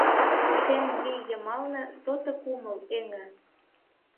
Шем вий йымалне сото кумыл эҥе.